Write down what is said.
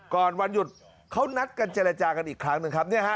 วันหยุดเขานัดกันเจรจากันอีกครั้งหนึ่งครับ